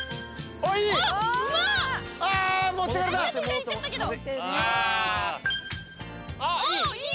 おっいい。